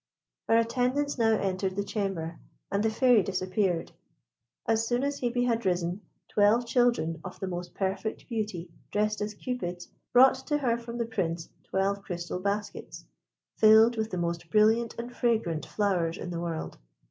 Her attendants now entered the chamber, and the Fairy disappeared. As soon as Hebe had arisen, twelve children of the most perfect beauty, dressed as Cupids, brought to her from the Prince twelve crystal baskets, filled with the most brilliant and fragrant flowers in the world.